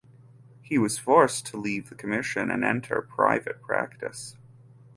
He was forced to leave the commission and enter private practice.